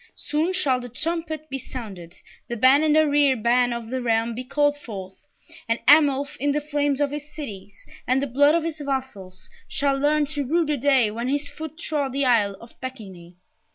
Soon shall the trumpet be sounded, the ban and arriere ban of the realm be called forth, and Arnulf, in the flames of his cities, and the blood of his vassals, shall learn to rue the day when his foot trod the Isle of Pecquigny!